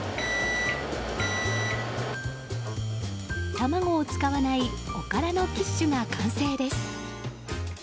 卵を使わないおからのキッシュが完成です。